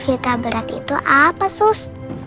hitam berat itu apa sus